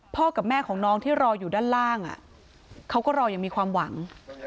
กับแม่ของน้องที่รออยู่ด้านล่างเขาก็รอยังมีความหวัง